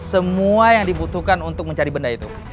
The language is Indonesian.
semua yang dibutuhkan untuk mencari benda itu